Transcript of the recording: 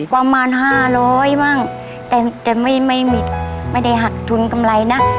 ประมาณห้าร้อยบ้างแต่แต่ไม่ไม่มีไม่ได้หักทุนกำไรนะ